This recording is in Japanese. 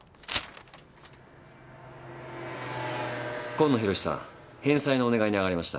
紺野洋さん返済のお願いにあがりました。